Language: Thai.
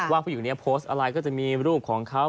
ว่าผู้อยู่ในโพสต์อะไรก็จะมีรูปของเขา